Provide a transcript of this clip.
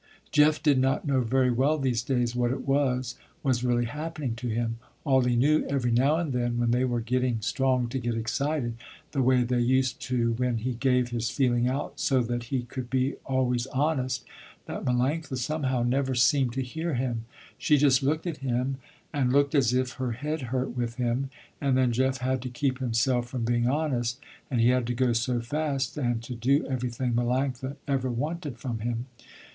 Jeff did not know very well these days, what it was, was really happening to him. All he knew every now and then, when they were getting strong to get excited, the way they used to when he gave his feeling out so that he could be always honest, that Melanctha somehow never seemed to hear him, she just looked at him and looked as if her head hurt with him, and then Jeff had to keep himself from being honest, and he had to go so fast, and to do everything Melanctha ever wanted from him.